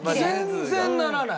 全然ならない。